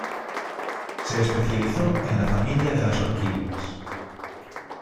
Se especializó en la familia de las orquídeas.